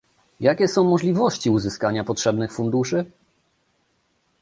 Jakie są możliwości uzyskania potrzebnych funduszy?